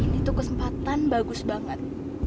ini tuh kesempatan bagus banget